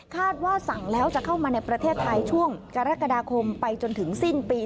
ว่าสั่งแล้วจะเข้ามาในประเทศไทยช่วงกรกฎาคมไปจนถึงสิ้นปี